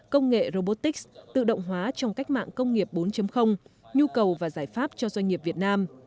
công nghệ robotics tự động hóa trong cách mạng công nghiệp bốn nhu cầu và giải pháp cho doanh nghiệp việt nam